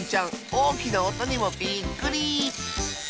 おおきなおとにもびっくり！